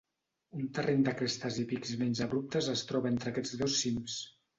Un terreny de crestes i pics menys abruptes es troba entre aquests dos cims.